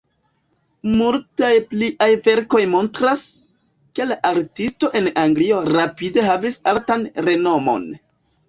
Multaj pliaj verkoj montras, ke la artisto en Anglio rapide havis altan renomon.